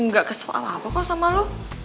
gak kesel apa apa kok sama lo